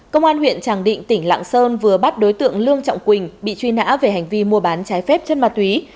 công an huyện tràng định tỉnh lạng sơn vừa bắt đối tượng lương trọng quỳnh bị truy nã về hành vi mua bán trái phép chất ma túy